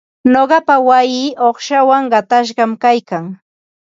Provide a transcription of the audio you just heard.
Nuqapa wayii uqshawan qatashqam kaykan.